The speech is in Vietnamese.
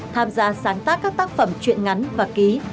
tham gia sáng tác các tác phẩm chuyện ngắn và ký